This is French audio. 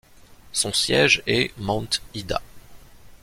Son siège est Mount Ida.